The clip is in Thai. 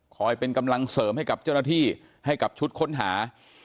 เป็นกำลังเสริมให้กับเจ้าหน้าที่ให้กับชุดค้นหา